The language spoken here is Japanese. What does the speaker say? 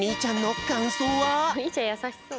おにいちゃんやさしそう。